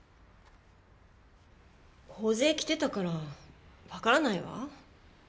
大勢来てたからわからないわ。